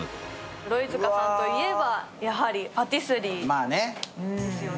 鎧塚さんといえば、やはりパティスリーですよね。